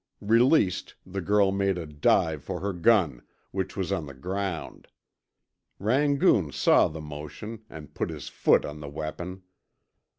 Released, the girl made a dive for her gun, which was on the ground. Rangoon saw the motion, and put his foot on the weapon.